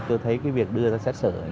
tôi thấy việc đưa ra xét xử